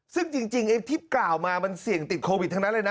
ซึ่งจริงไอ้ที่กล่าวมามันเสี่ยงติดโควิดทั้งนั้นเลยนะ